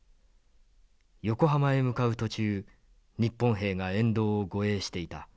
横浜へ向かう途中日本兵が沿道を護衛していた。